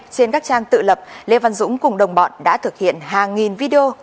trên các trang tự lập lê văn dũng cùng đồng bọn đã thực hiện hàng nghìn video